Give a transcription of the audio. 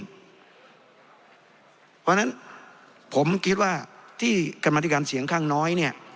เพราะฉะนั้นผมคิดว่าที่กรรมธิการเสียงข้างน้อยเนี่ย